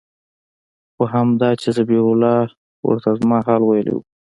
خو همدا چې ذبيح الله ورته زما حال ويلى و.